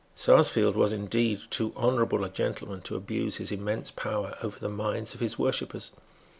Sarsfield was, indeed, too honourable a gentleman to abuse his immense power over the minds of his worshippers.